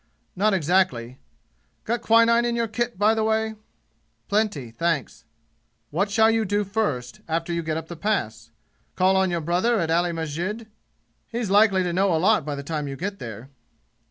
"Not exactly. Got quinine in your kit, by the way?" "Plenty, thanks." "What shall you do first after you get up the Pass? Call on your brother at Ali Masjid? He's likely to know a lot by the time you get there."